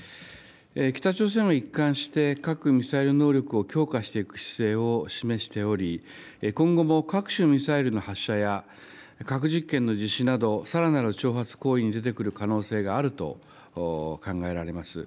北朝鮮は一貫して、核・ミサイル能力を強化していく姿勢を示しており、今後も各種ミサイルの発射や、核実験の実施など、さらなる挑発行為に出てくる可能性があると考えられます。